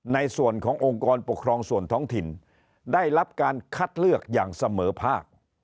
ในส่วนขององค์กรปกครองส่วนท้องถิ่นได้รับการคัดเลือกอย่างเสมอภาค